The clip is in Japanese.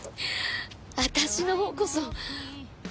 私のほうこそ。